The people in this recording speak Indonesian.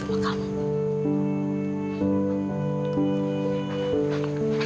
terima kasih banyak tante